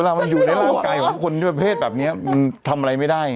เวลามันอยู่ในด้านหลักไก่ของคนแบบนี้ทำอะไรไม่ได้